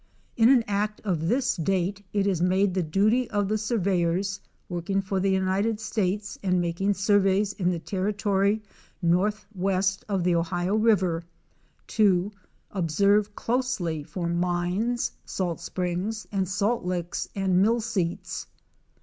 In an act of this date it is made the duty of the surveyors working for the United States and making surveys in the territory northwest of the Ohio river "to ob serve closely for mines, salt springs and salt licks and mill seats."